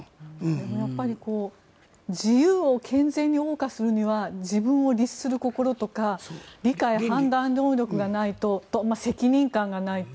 でもやっぱり自由を健全におう歌するには自分を律する心とか理解、判断能力がないとそれと責任感がないと。